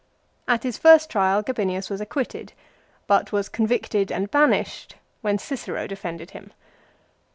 At his first trial Gabinius was acquitted, but was convicted and banished when Cicero defended him.